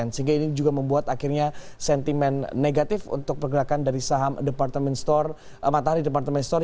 sehingga ini juga membuat akhirnya sentimen negatif untuk pergerakan dari saham matahari department store